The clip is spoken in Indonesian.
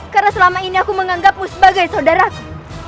karena selama ini aku menganggapmu sebagai saudaraku